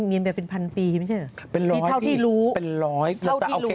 แต่คนบอกเล่าได้เป็นพลั้นทึก